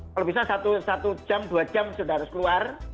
kalau bisa satu jam dua jam sudah harus keluar